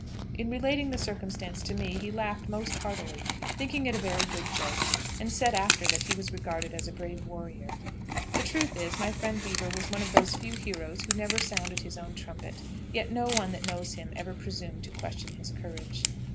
In relating the circumstance to me he laughed most heartily, thinking it a very good joke, and said after that he was regarded as a brave warrior. The truth is, my friend Beaver was one of those few heroes who never sounded his own trumpet; yet no one that knows him ever presumed to question his courage.